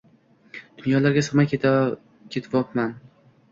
Duynolarga sig'miy ketvomman.